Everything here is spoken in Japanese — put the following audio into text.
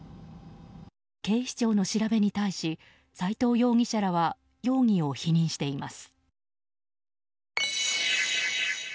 警視庁の調べに対し斎藤容疑者らは容疑を否認しています。